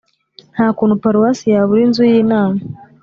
nta kuntu paruwasi yabura inzu y’inama